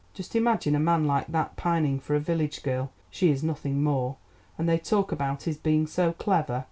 Just imagine a man like that pining for a village girl—she is nothing more! And they talk about his being so clever.